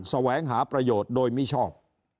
แสวงหาประโยชน์โดยมิชอบ